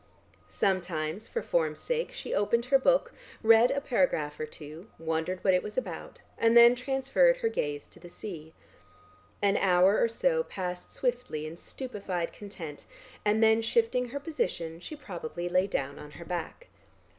Sometimes, for form's sake, she opened her book, read a paragraph or two, wondered what it was about, and then transferred her gaze to the sea. An hour or so passed swiftly in stupefied content, and then shifting her position she probably lay down on her back.